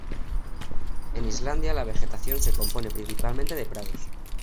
En Islandia la vegetación se compone principalmente de prados.